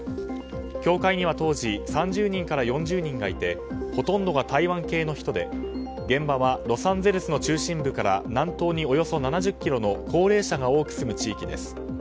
教会には当時３０人から４０人がいてほとんどが台湾系の人で現場はロサンゼルスの中心部から南東におよそ７０ｋｍの高齢者が多く住む地域です。